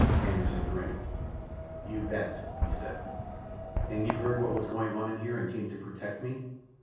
Anderssen grinned. "You bat," he said. "And you heard what was going on in here and came to protect me?"